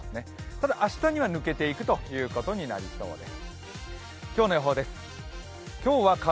ただ明日には抜けていくことになりそうです。